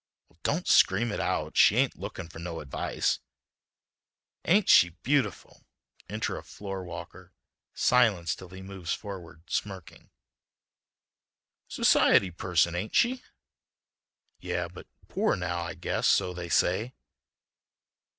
"Well, don't scream it out. She ain't lookin' for no advice." "Ain't she beautiful!" (Enter a floor walker—silence till he moves forward, smirking.) "Society person, ain't she?" "Yeah, but poor now, I guess; so they say."